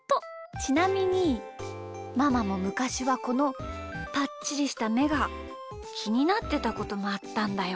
ちなみにママもむかしはこのぱっちりしためがきになってたこともあったんだよ。